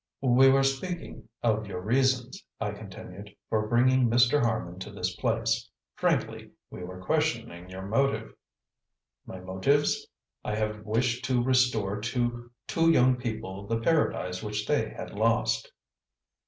"We were speaking of your reasons," I continued, "for bringing Mr. Harman to this place. Frankly, we were questioning your motive." "My motives? I have wished to restore to two young people the paradise which they had lost".